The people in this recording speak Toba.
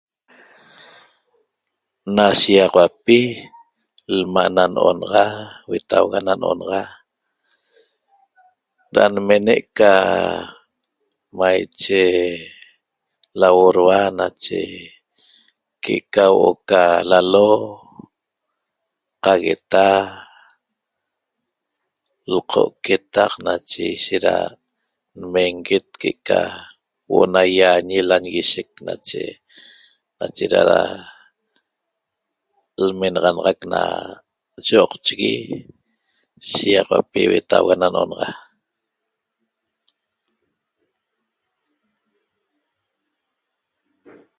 Na shigaxauapi lma' na no'onaxa huetauga na no'onaxa ra nmene' ca maiche lauorhua nache que'eca huo'o ca lalo qagueta lqo' quetac nache ishet ra nmenguet que'eca huo'o na iañi lañiguishec nache ra ra lmenaxanaxac na yo'oqchigui shegaxauapi huetauga na no'onaxa